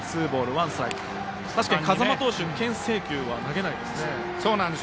確かに風間投手けん制球は投げないですね。